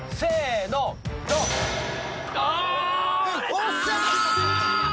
おっしゃー！